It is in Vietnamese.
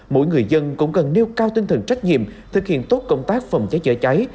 mỗi người dân cũng cần nêu cao tinh thần trách nhiệm thực hiện tốt công tác phòng cháy chữa cháy